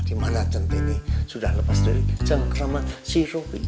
di mana centenya sudah lepas dari geng krama si robi